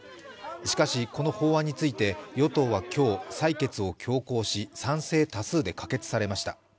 しかし、この法案について与党は今日、採決を強行し賛成多数で可決されました。